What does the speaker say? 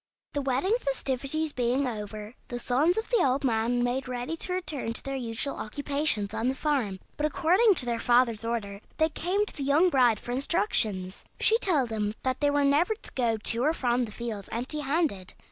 The wedding festivities being over, the sons of the old man made ready to return to their usual occupations on the farm; but, according to their father's order, they came to the young bride for instructions. She told them that they were never to go to or from the fields empty handed.